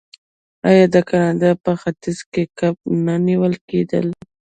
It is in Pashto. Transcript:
آیا د کاناډا په ختیځ کې کب نه نیول کیدل؟